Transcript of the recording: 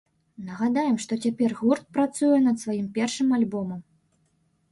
Нагадаем, што цяпер гурт працуе над сваім першым альбомам.